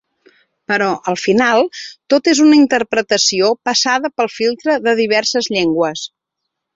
Però, al final, tot és una interpretació passada pel filtre de diverses llengües.